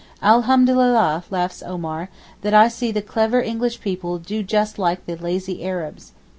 Alhamdulilah! laughs Omar, 'that I see the clever English people do just like the lazy Arabs.